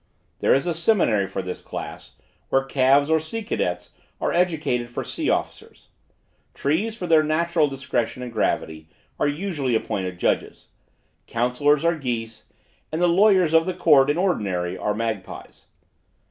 There is a seminary for this class, where calves or sea cadets are educated for sea officers. Trees, for their natural discretion and gravity, are usually appointed judges: counsellors are geese; and the lawyers of the courts in ordinary are magpies.